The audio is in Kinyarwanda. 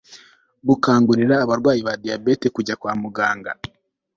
gukangurira abarwayi ba diyabete kujya kwa muganga